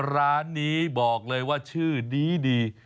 ร้านนี้บอกเลยว่าชื่อดี